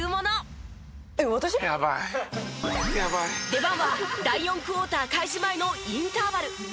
出番は第４クオーター開始前のインターバル。